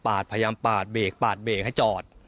พยายามปาดเบรกปาดเบรกให้จอด